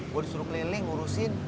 gua disuruh keliling ngurusin